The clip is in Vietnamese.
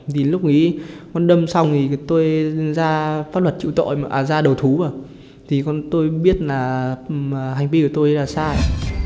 đến lúc nghĩ con đâm xong thì tôi ra pháp luật chịu tội à ra đầu thú rồi thì con tôi biết là hành vi của tôi là sai